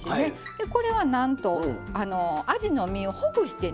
でこれはなんとあじの身をほぐしてね。